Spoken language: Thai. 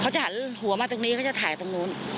จะหันหัวมาตรงนี้เขาจะถ่ายตรงนู้น